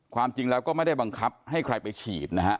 ความจริงแล้วก็ไม่ได้บังคับให้ใครไปฉีดนะฮะ